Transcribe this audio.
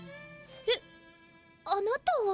えっあなたは？